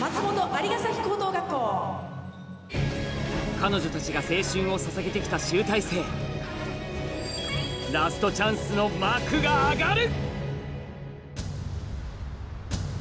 彼女たちが青春を捧げてきた集大成ラストチャンスの幕が上がる